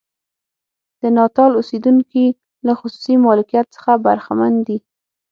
د ناتال اوسېدونکي له خصوصي مالکیت څخه برخمن دي.